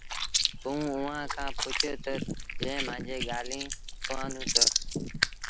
توٚنٚ اُئآݩٚ کآݩ پُڇ تا جنٚهنٚ مآݩجيٚ ڳآليٚنٚ سُوآندونٚ تا